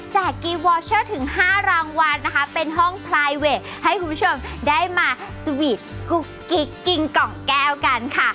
กีวอลเชอร์ถึง๕รางวัลนะคะเป็นห้องพลายเวทให้คุณผู้ชมได้มาสวีทกุ๊กกิ๊กกิงกล่องแก้วกันค่ะ